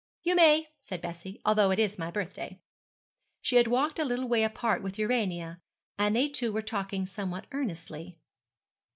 'You may,' said Bessie, 'although it is my birthday.' She had walked a little way apart with Urania, and they two were talking somewhat earnestly.